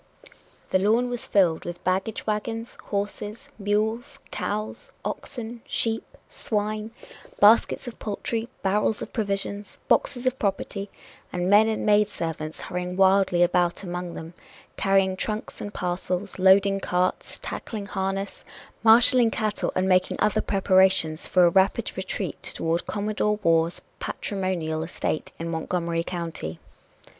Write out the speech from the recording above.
The lawn was filled with baggage wagons, horses, mules, cows, oxen, sheep, swine, baskets of poultry, barrels of provisions, boxes of property, and men and maid servants hurrying wildly about among them, carrying trunks and parcels, loading carts, tackling harness, marshaling cattle and making other preparations for a rapid retreat toward Commodore Waugh's patrimonial estate in Montgomery County.